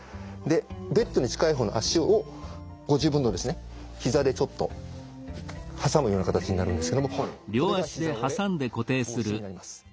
ベッドに近い方の足をご自分のひざでちょっと挟むような形になるんですけどもこれがひざ折れ防止になります。